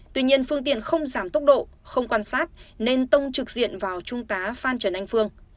tuy nhiên phương tiện không giảm tốc độ không quan sát nên tông trực diện vào trung tá phan trần anh phương